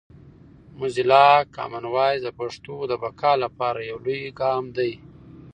موزیلا کامن وایس د پښتو د بقا لپاره یو لوی ګام دی.